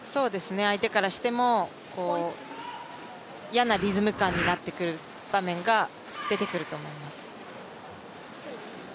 相手からしても、嫌なリズム感になってくる場面が出てくると思います。